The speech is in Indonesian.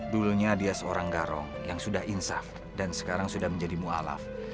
dulunya dia seorang garong yang sudah insaf dan sekarang sudah menjadi mu'alaf